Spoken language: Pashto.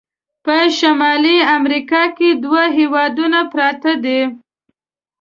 په شمالي امریکا کې دوه هیوادونه پراته دي.